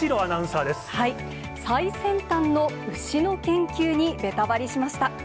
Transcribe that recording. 最先端の牛の研究にベタバリしました。